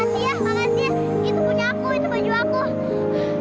baju baju tunggu baju